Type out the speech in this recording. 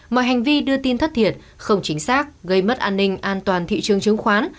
mọi hành vi đưa tin thất thiệt không chính xác gây mất an ninh an toàn thị trường chứng khoán